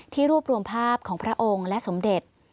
รวบรวมภาพของพระองค์และสมเด็จ